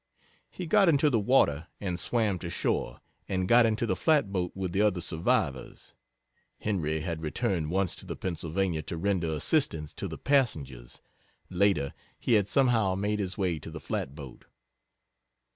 He got into the water and swam to shore, and got into the flatboat with the other survivors. [Henry had returned once to the Pennsylvania to render assistance to the passengers. Later he had somehow made his way to the flatboat.